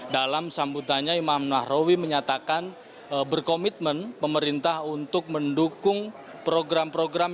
dalam sambutannya imam nahrawi menyatakan berkomitmen pemerintah untuk mendukung program program